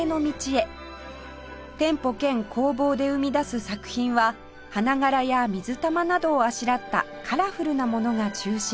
店舗兼工房で生み出す作品は花柄や水玉などをあしらったカラフルなものが中心